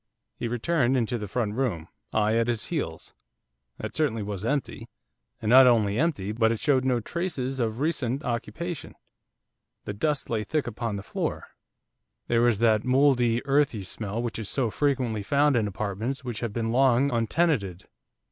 He returned into the front room, I at his heels. That certainly was empty, and not only empty, but it showed no traces of recent occupation. The dust lay thick upon the floor, there was that mouldy, earthy smell which is so frequently found in apartments which have been long untenanted.